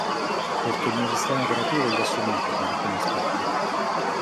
Perché il mio sistema operativo gli assomiglia in alcuni aspetti.